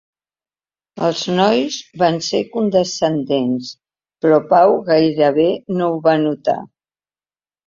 Els nois van ser condescendents, però Pau gairebé no ho va notar.